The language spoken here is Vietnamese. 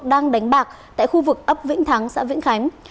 đang đánh bạc tại khu vực ấp vĩnh thắng xã vĩnh khánh